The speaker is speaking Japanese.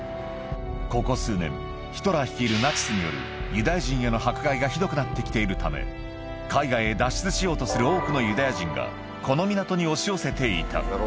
ここ数年、ヒトラー率いるナチスにより、ユダヤ人への迫害がひどくなってきているため、海外へ脱出しようとする多くのユダヤ人が、この港に押し寄せていた。